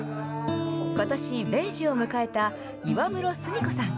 ことし、米寿を迎えた岩室純子さん。